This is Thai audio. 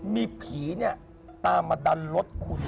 มีผีเนี่ยตามมาดันรถคุณ